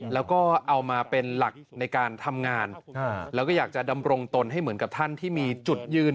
แล้วก็เอามาเป็นหลักในการทำงานแล้วก็อยากจะดำรงตนให้เหมือนกับท่านที่มีจุดยืน